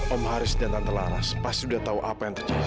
om haris dan tante laras pasti sudah tahu apa yang terjadi